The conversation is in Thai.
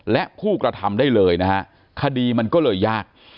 และผู้กระทำได้เลยนะฮะคดีมันก็เลยยาก